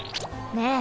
ねえ。